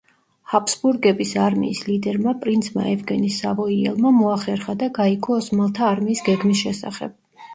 ჰაბსბურგების არმიის ლიდერმა, პრინცმა ევგენი სავოიელმა მოახერხა და გაიგო ოსმალთა არმიის გეგმის შესახებ.